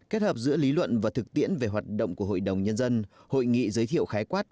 kết hợp giữa lý luận và thực tiễn về hoạt động của hội đồng nhân dân hội nghị giới thiệu khái quát